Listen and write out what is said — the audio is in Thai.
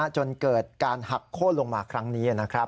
จนเกิดการหักโค้นลงมาครั้งนี้นะครับ